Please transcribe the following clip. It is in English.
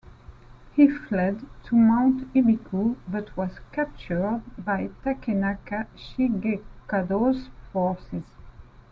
He fled to Mount Ibuki, but was captured by Takenaka Shigekado's forces.